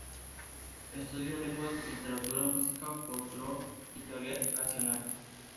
Estudió lenguas, literatura, música, folclore y teoría educacional.